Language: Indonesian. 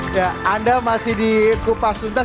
ya anda masih di kupas tuntas